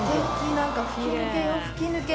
なんか吹き抜けよ吹き抜け。